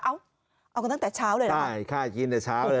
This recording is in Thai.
เอ้าเอากันตั้งแต่เช้าเลยหรอค่ะ